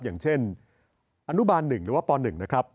อย่างเช่นอนุบาล๑หรือว่าป๑นะครับ